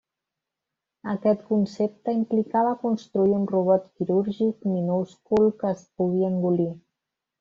Aquest concepte implicava construir un robot quirúrgic minúscul que es pugui engolir.